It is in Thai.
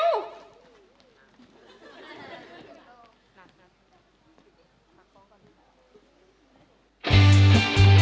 หมู่วันนี้